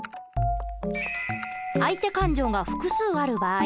相手勘定が複数ある場合